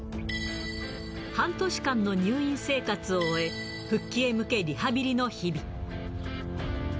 半年間の入院生活を終え、復帰へ向けリハビリの日々。